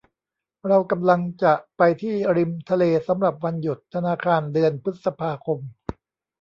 เรากำลังจะไปที่ริมทะเลสำหรับวันหยุดธนาคารเดือนพฤษภาคม